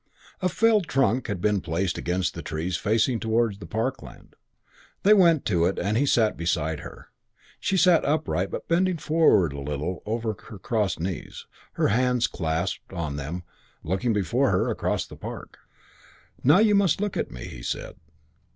A felled trunk had been placed against the trees facing towards the parkland. They went to it and he sat beside her. She sat upright but bending forward a little over her crossed knees, her hands clasped on them, looking before her across the park. "No, you must look at me," he said.